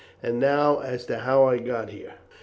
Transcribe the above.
And now as to how I got here."